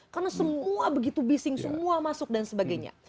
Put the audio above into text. karena semua begitu bising semua masuk dan sebagainya